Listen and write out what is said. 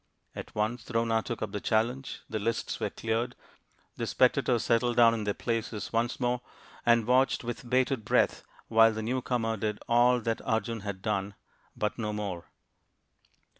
At once Drona took up the challenge, the lists were cleared, the spectators settled down in their places once more and watched with bated breath while the new comer did all that Arjun had done but no more.